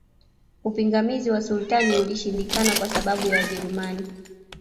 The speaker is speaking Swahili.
Upingamizi wa Sultani ulishindikana kwa sababu ya Wajerumani